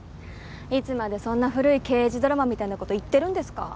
いつまでそんな古い刑事ドラマみたいな事言ってるんですか？